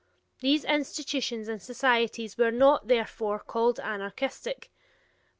These institutions and societies were not, therefore, called anarchistic.